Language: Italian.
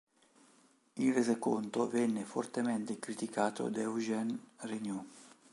Il resoconto venne fortemente criticato da Eugène Regnault.